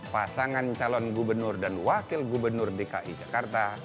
pasangan calon gubernur dan wakil gubernur dki jakarta